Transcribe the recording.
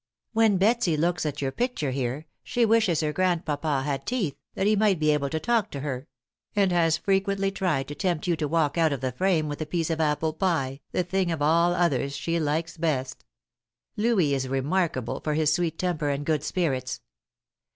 When Betsy looks at your picture here, she wishes her grandpapa had teeth, that he might be able to talk to her; and has frequently tried to tempt you to walk out of the frame with a piece of apple pie, the thing of all others she likes best. Louis is remarkable for his sweet temper and good spirits."